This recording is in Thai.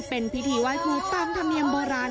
เป็นพิธีไหว้ครูตามธรรมเนียมโบราณ